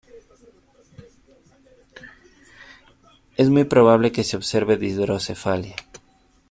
Es muy probable que se observe de hidrocefalia.